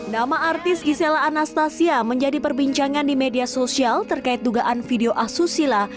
nama artis gisela anastasia menjadi perbincangan di media sosial terkait dugaan video asusila